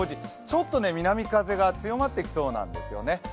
ちょっと南風が強まってきそうなんですよね。